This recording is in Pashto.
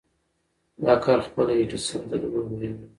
دا کار خپله ايډېسن ته دومره مهم نه و.